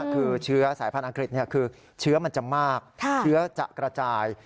คือเชื้อสายพันธ์อังกฤษคือเชื้อมันจะมากเชื้อจะกระจาย